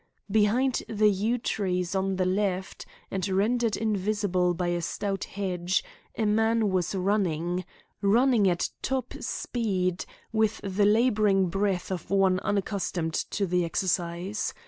Behind the yew trees on the left, and rendered invisible by a stout hedge, a man was running running at top speed, with the labouring breath of one unaccustomed to the exercise.